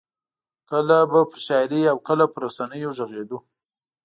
کله به پر شاعرۍ او کله پر رسنیو غږېدو.